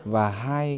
và hai cái